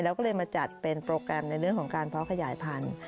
แล้วก็เลยมาจัดเป็นโปรแกรมในเรื่องของการเพาะขยายพันธุ์